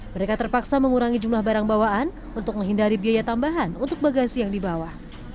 mereka terpaksa mengurangi jumlah barang bawaan untuk menghindari biaya tambahan untuk bagasi yang dibawa